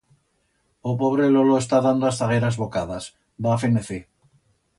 O pobre lolo está dando as zagueras bocadas, va a fenecer.